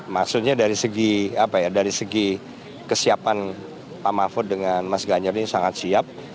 maksudnya dari segi kesiapan pak mahfud dengan mas ganjar ini sangat siap